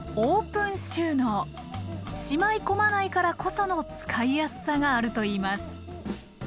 しまい込まないからこその使いやすさがあるといいます。